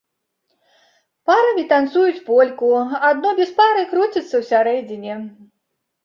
Парамі танцуюць польку, адно без пары круціцца ўсярэдзіне.